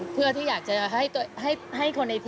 เพื่อทุกคนจะต้องมาซ้อมสนาม